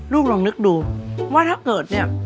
ลูกลองนึกดูว่าถ้าเกิดสิ